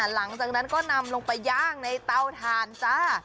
หลังจากนั้นก็นำลงไปย่างในเตาถ่านจ้า